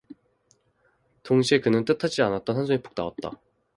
동시에 그는 뜻하지 않았던 한숨이 푹 나왔다.